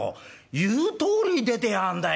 言うとおりに出てやがんだい。